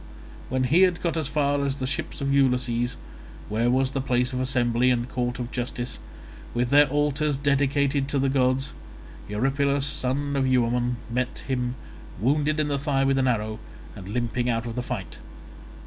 When he had got as far as the ships of Ulysses, where was their place of assembly and court of justice, with their altars dedicated to the gods, Eurypylus son of Euaemon, met him, wounded in the thigh with an arrow, and limping out of the fight.